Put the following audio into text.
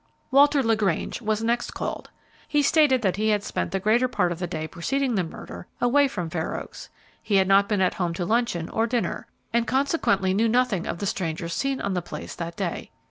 Walter LaGrange was next called. He stated that he had spent the greater part of the day preceding the murder away from Fair Oaks; he had not been at home to luncheon or dinner, and consequently knew nothing of the strangers seen on the place that day.